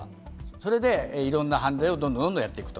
それで、いろんな犯罪をどんどん丼やっていくと。